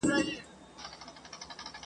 ستا یادیږي پوره شل وړاندي کلونه !.